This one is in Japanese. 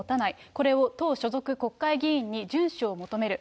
これを党所属国会議員に順守を求める。